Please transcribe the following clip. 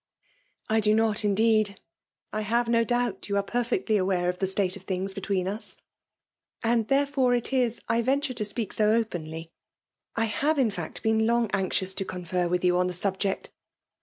*' I do not indeed. I have no doubt you are perfectly aware of the state of things between us; and therefore it is I venture to speak so* openly. I have, in fieuet, been long anxious to confer with you on the subject.